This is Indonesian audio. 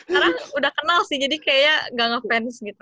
karena udah kenal sih jadi kayaknya gak ngefans gitu